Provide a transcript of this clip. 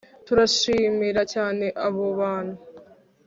Turashimira cyane abo bantu